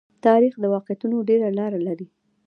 تاریخ د واقعیتونو ډېره لار لري.